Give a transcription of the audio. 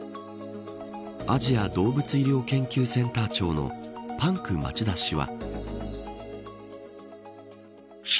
アジア動物医療研究センター長のパンク町田氏は。